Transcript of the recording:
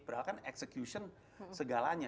padahal kan execution segalanya